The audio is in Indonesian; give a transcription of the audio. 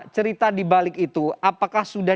cerita di balik itu apakah sudah